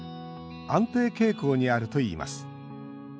安定傾向にあるといいます。